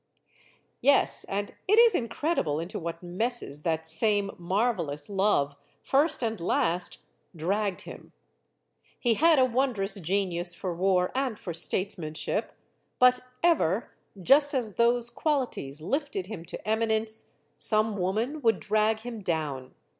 Yes, and it is incredible into what messes that same "marvelous love," first and last, dragged him. He had a wondrous genius for war and for statesmanship; but ever, just as those qualities lifted him to eminence, some woman would drag him down.